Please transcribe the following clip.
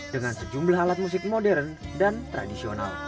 dengan sejumlah alat musik modern dan tradisional